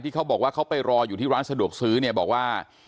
เขาบอกว่าเขาไปรออยู่ที่ร้านสะดวกซื้อเนี่ยบอกว่า